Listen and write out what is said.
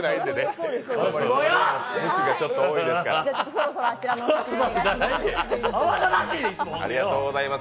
そろそろあちらのお席にお願いします。